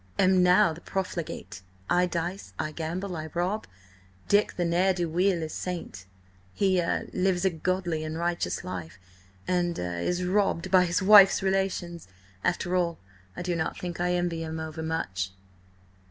–am now the profligate: I dice, I gamble, I rob. Dick the ne'er do weel is saint. He–er–lives a godly and righteous life, and–er–is robbed by his wife's relations. After all, I do not think I envy him overmuch."